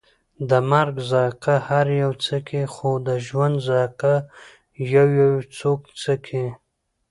د مرګ ذائقه هر یو څکي، خو د ژوند ذائقه یویو څوک څکي